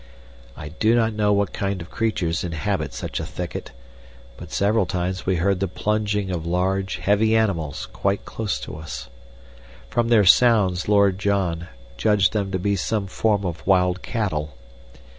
I do not know what kind of creatures inhabit such a thicket, but several times we heard the plunging of large, heavy animals quite close to us. From their sounds Lord John judged them to be some form of wild cattle.